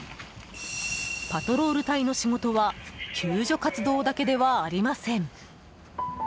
パトロール隊の仕事は救助活動だけではありません。